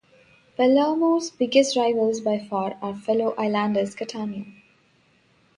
Palermo's biggest rivals by far are fellow islanders Catania.